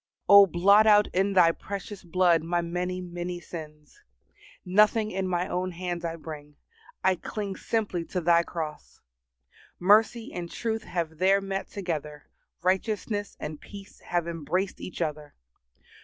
O blot out in Thy precious blood my many, many sins. Nothing in my own hands I bring; I cling simply to Thy cross. Mercy and truth have there met together; righteousness and peace have embraced each other.